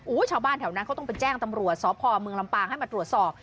ชาวบ้านแถวนั้นเขาต้องไปแจ้งตำรวจสพเมืองลำปางให้มาตรวจสอบ